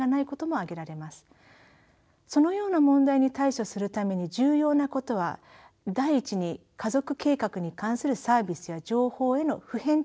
そのような問題に対処するために重要なことは第１に家族計画に関するサービスや情報への普遍的アクセスの保障